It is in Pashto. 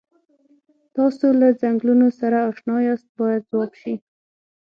تاسو له څنګلونو سره اشنا یاست باید ځواب شي.